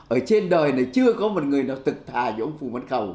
ở trên đời này chưa có một người nào tự thà như ông phùng văn khầu